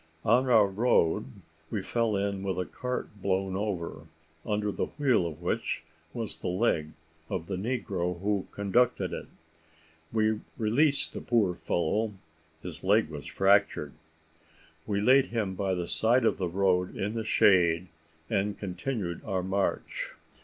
On our road we fell in with a cart blown over, under the wheel of which was the leg of the negro who conducted it. We released the poor fellow: his leg was fractured. We laid him by the side of the road in the shade, and continued our march.